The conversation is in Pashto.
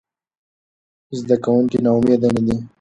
زده کوونکي ناامیده نه دي.